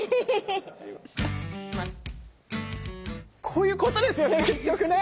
こういうことですよね結局ね。